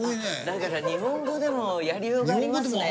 だから日本語でもやりようがありますね。